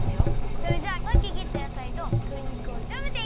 それじゃあさっき切った野菜ととり肉をいためていこう！